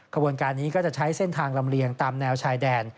ขบวนการนี้ก็จะใช้เส้นทางลำเลียงตามแนวชายแดน